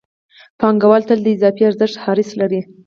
پانګوال تل د اضافي ارزښت حرص لري